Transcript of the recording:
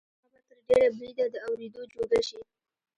هغه به تر ډېره بریده د اورېدو جوګه شي